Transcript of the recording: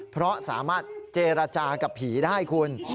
เพราะสามารถเจรจากับผีได้คุณ